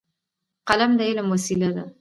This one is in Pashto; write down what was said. قلم د علم وسیله ده.